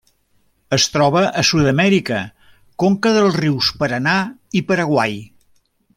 Es troba a Sud-amèrica: conca dels rius Paranà i Paraguai.